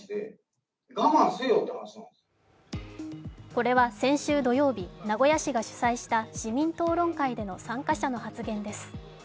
これは先週土曜日、名古屋市が主催した市民討論会での参加者の発言です。